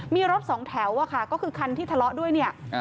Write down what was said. มีรถสองแถวอะค่ะก็คือคันที่ทะเลาะด้วยเนี่ย